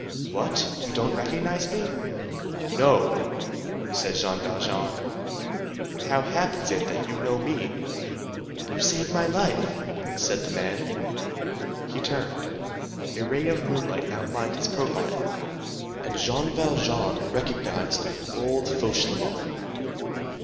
What! You don't recognize me?" "No," said Jean Valjean; "and how happens it that you know me?" "You saved my life," said the man. He turned. A ray of moonlight outlined his profile, and Jean Valjean recognized old Fauchelevent.